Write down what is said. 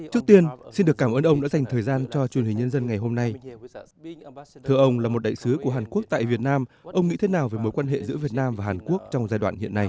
trước tiên xin được cảm ơn ông đã dành thời gian cho truyền hình nhân dân ngày hôm nay thưa ông là một đại sứ của hàn quốc tại việt nam ông nghĩ thế nào về mối quan hệ giữa việt nam và hàn quốc trong giai đoạn hiện nay